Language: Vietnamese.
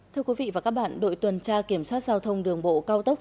thưa quý vị và các bạn đội tuần tra kiểm soát giao thông đường bộ cao tốc